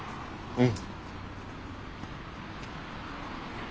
うん。